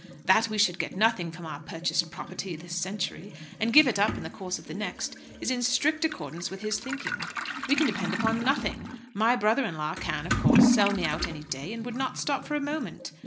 That we should get nothing from our purchased property this century, and give it up in the course of the next, is in strict accordance with his thinking. We can depend upon nothing. My brother in law can, of course, sell me out any day, and would not stop for a moment.